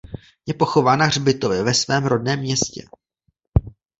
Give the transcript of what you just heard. Je pochován na hřbitově ve svém rodném městě.